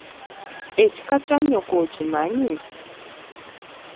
Ekika kya nnyoko okimanyi?